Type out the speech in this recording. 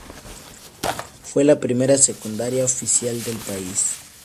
Fue la primera secundaria oficial del país.